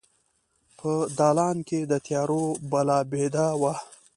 په دالان کې د تیارو بلا بیده وه